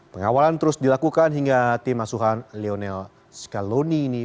pengawalan terus dilakukan hingga tim asuhan lionel scaloni ini